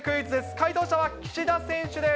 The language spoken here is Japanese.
回答者は岸田選手です。